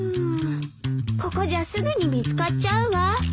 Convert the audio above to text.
ここじゃすぐに見つかっちゃうわ。